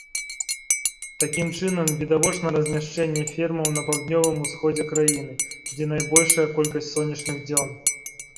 Такім чынам, відавочна размяшчэнне фермаў на паўднёвым усходзе краіны, дзе найбольшая колькасць сонечных дзён.